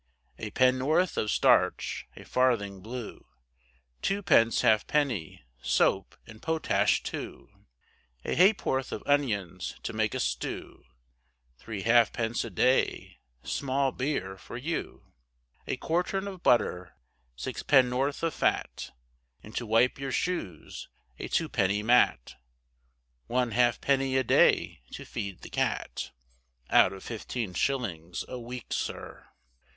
A pennorth of starch, a farthing blue, Twopence halfpenny soap and potash too, A ha'porth of onions to make a stew, Three halfpence a day small beer for you, A quartern of butter, sixpennorth of fat, And to wipe your shoes a twopenny mat, One halfpenny a day to feed the cat, Out of fifteen shillings a week, sir.